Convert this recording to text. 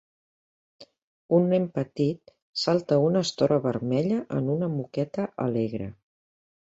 Un nen petit salta una estora vermella en una moqueta alegre.